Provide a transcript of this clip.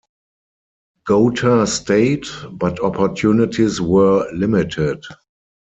Goater stayed, but opportunities were limited.